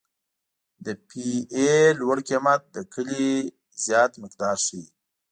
د پی ای لوړ قیمت د کلې زیات مقدار ښیي